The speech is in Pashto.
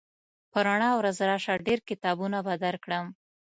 په رڼا ورځ راشه ډېر کتابونه به درکړم